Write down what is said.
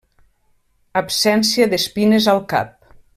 Absència d'espines al cap.